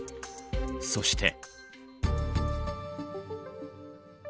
そして。